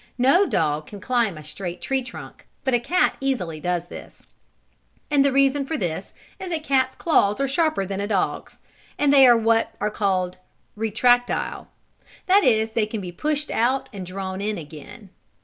No dog can climb a straight tree trunk, but a cat easily does this. And the reason for this is that a cat's claws are sharper than a dog's, and they are what are called "retractile." That is they can be pushed out and drawn in again.